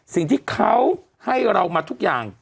สิ่งที่เขาให้เรามาทุกอย่าง